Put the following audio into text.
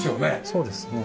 そうですね。